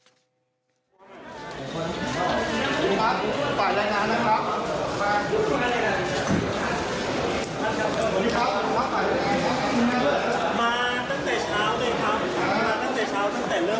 สวัสดีครับสวัสดีครับ